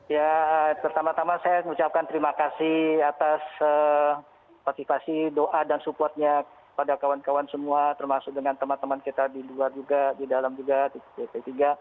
ya pertama tama saya mengucapkan terima kasih atas motivasi doa dan supportnya kepada kawan kawan semua termasuk dengan teman teman kita di luar juga di dalam juga di p tiga